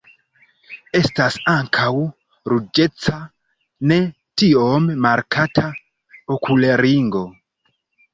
Estas ankaŭ ruĝeca ne tiom markata okulringo.